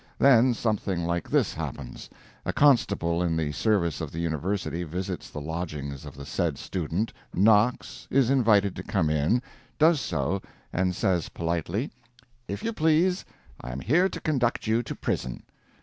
Then something like this happens: A constable in the service of the University visits the lodgings of the said student, knocks, is invited to come in, does so, and says politely "If you please, I am here to conduct you to prison."